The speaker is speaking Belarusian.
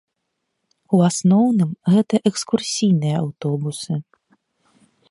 У асноўным, гэта экскурсійныя аўтобусы.